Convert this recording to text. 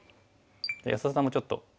じゃあ安田さんもちょっと。